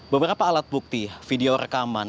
beberapa alat bukti video rekaman